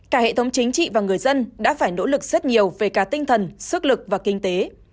cả hệ thống chính trị và người dân đã phải nỗ lực rất nhiều về cả tinh thần sức lực và kinh tế